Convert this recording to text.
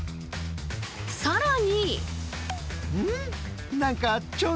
更に。